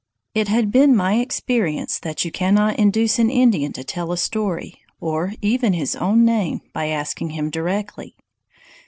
It had been my experience that you cannot induce an Indian to tell a story, or even his own name, by asking him directly.